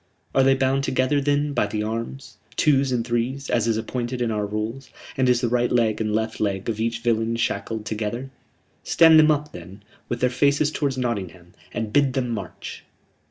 Are they bound together, then, by the arms, twos and threes, as is appointed in our rules; and is the right leg and left leg of each villain shackled together?... Stand them up, then, with their faces toward Nottingham, and bid them march."